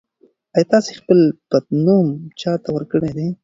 ایا تاسي خپل پټنوم چا ته ورکړی دی؟